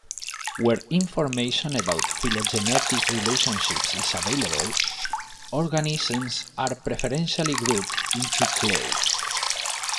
Where information about phylogenetic relationships is available, organisms are preferentially grouped into clades.